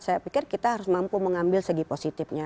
saya pikir kita harus mampu mengambil segi positifnya